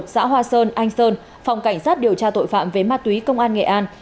xã hoa sơn anh sơn phòng cảnh sát điều tra tội phạm về ma túy công an nghệ an